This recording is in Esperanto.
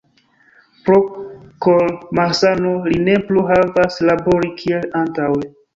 Pro kor-malsano li ne plu povas labori kiel antaŭe.